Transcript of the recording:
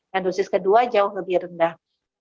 dan dosis kedua jauh lebih rendah